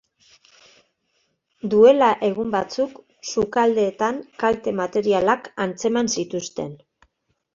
Duela egun batzuk, sukaldeetan kalte materialak antzeman zituzten.